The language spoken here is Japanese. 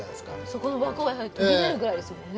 そこの枠を飛び出るぐらいですもんね。